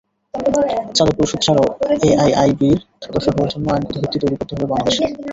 চাঁদা পরিশোধ ছাড়াও এআইআইবির সদস্য হওয়ার জন্য আইনগত ভিত্তি তৈরি করতে হবে বাংলাদেশকে।